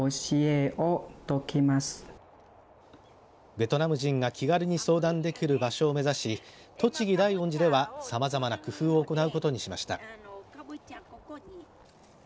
ベトナム人が気軽に相談できる場所を目指し栃木大恩寺ではさまざまな工夫を行うことにしました。